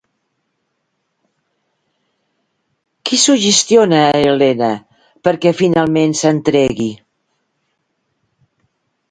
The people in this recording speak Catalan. Qui suggestiona a Elena, perquè finalment s'entregui?